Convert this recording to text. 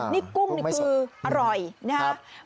นี่กุ้งนี่คืออร่อยนะครับ